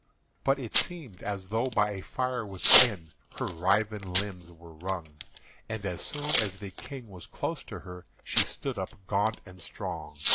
But it seemed as though by a fire within Her writhen limbs were wrung; And as soon as the King was close to her, She stood up gaunt and strong.